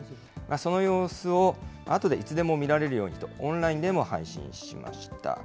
その様子を後でいつでも見られるようにと、オンラインでも配信しました。